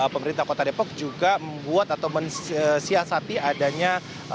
pemerintah kota depok juga membuat atau mensiasati adanya